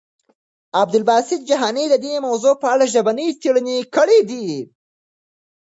عبدالباسط جهاني د دې موضوع په اړه ژبني څېړنې کړي دي.